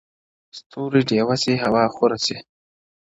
ستوري ډېوه سي ؛هوا خوره سي؛